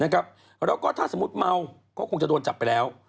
แล้วก็ถ้าสมมุติเมาก็คงจะโดนจับไปแล้ว